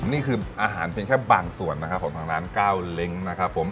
นี่คืออาหารเพียงแค่บางส่วนนะครับของทางร้านก้าวเล้งนะครับผม